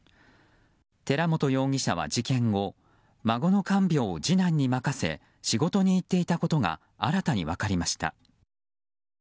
寺本容疑者は事件後孫の看病を次男に任せ仕事に行っていたことが新たに分かりました。